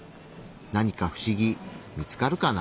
何か不思議見つかるかな？